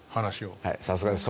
さすがです。